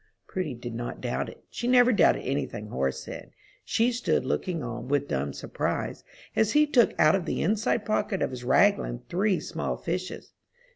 Prudy did not doubt it. She never doubted any thing Horace said. She stood looking on, with dumb surprise, as he took out of the inside pocket of his raglan three small fishes.